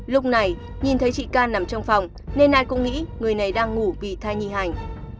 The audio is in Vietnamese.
lúc này nhìn thấy chị ca nằm trong phòng nên ai cũng nghĩ người này đang ngủ vì thai nhi hành